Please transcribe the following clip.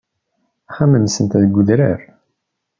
Axxam-nsent deg udrar.